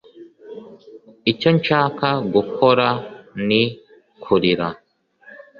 icyo nshaka gukora ni kurira